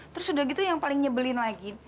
terus sudah gitu yang paling nyebelin lagi